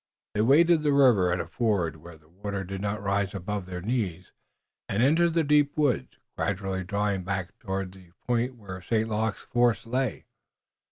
They waded the river at a ford where the water did not rise above their knees, and entered the deep woods, gradually drawing back toward the point where St. Luc's force lay.